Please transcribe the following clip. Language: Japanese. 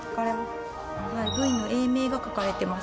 部位の英名が書かれてます